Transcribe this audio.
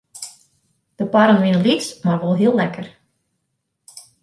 De parren wienen lyts mar wol heel lekker.